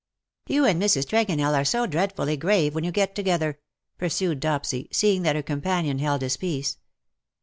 " You and Mrs. Tregonell are so dreadfully grave y/hen you get together/' pursued Dopsy, seeing that her companion held his peace.